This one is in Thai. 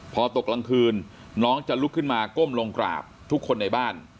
พอตกกลางคืนน้องจะลุกขึ้นมาก้มลงกราบทุกคนในบ้าน